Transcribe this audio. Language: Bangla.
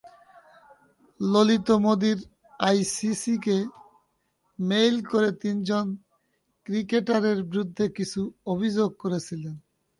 লোলিত মোদীর আইসিসিকে মেইল করে তিনজন ক্রিকেটারের বিরুদ্ধে কিছু অভিযোগ করেছিলেন।